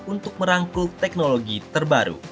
untuk merangkul teknologi terbaru